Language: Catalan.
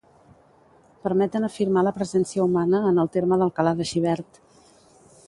permeten afirmar la presència humana en el terme d'Alcalà de Xivert